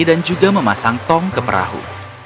dan juga memasang tong ke perahu